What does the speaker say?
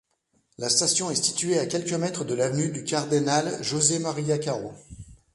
La station est située à quelques mètres de l'avenue du Cardenal José María Caro.